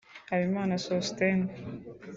Habimana Sosthène